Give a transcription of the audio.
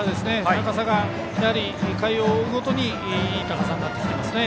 高さが回を追うごとにいい高さになってきていますね。